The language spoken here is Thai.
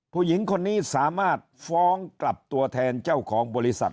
ผู้หญิงคนนี้สามารถฟ้องกลับตัวแทนเจ้าของบริษัท